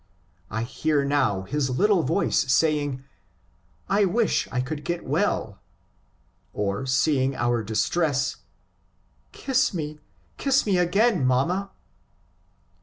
I hear now his little voice saying, ^^ I wish I could get well," or, seeing our distress, '^ Kiss me, kiss me again, mamma."